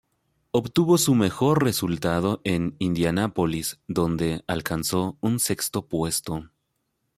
Obtuvo su mejor resultado en Indianápolis, donde alcanzó un sexto puesto.